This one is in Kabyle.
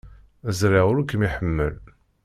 Ẓriɣ ur kem-iḥemmel.